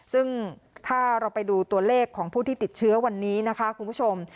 ซึ่งถ้าเราไปดูตัวเลขของผู้ที่ติดเชื้อวันนี้นะคะคุณผู้ชม